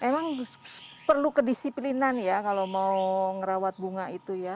emang perlu kedisiplinan ya kalau mau ngerawat bunga itu ya